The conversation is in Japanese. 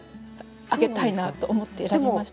挙げたいなと思って選びました。